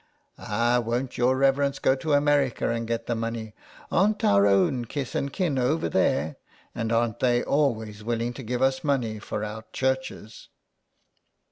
" Ah, won't your reverence go to America and get the money. Aren't our own kith and kin over there, and aren't they always willing to give us money for our churches."